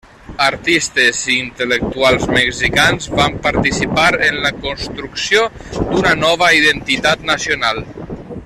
Artistes i intel·lectuals mexicans van participar en la construcció d'una nova identitat nacional.